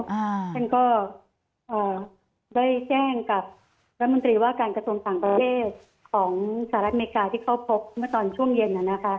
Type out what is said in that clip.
ท่านก็ได้แจ้งกับรัฐมนตรีว่าการกระทรวงต่างประเทศของสหรัฐอเมริกาที่เขาพบเมื่อตอนช่วงเย็นน่ะนะคะ